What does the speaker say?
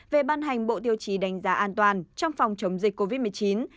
về ban hành bộ tiêu chí đánh giá an toàn trong phòng chống dịch covid một mươi chín